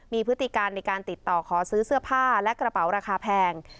มีพฤติการในการติดต่อขอซื้อเสื้อผ้าและกระเป๋าราคาแพง